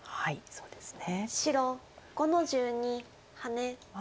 そうですね。